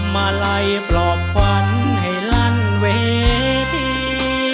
มาไล่ปลอบขวัญให้ลั่นเวที